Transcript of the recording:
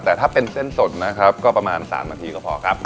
แต่ถ้าเป็นเส้นสดนะครับก็ประมาณ๓นาทีก็พอครับ